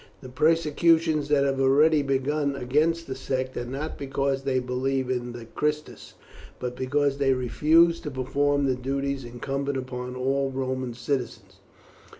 The persecutions that have already begun against the sect are not because they believe in this Christus, but because they refuse to perform the duties incumbent upon all Roman citizens.